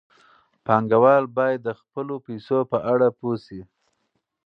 پانګوال باید د خپلو پیسو په اړه پوه شي.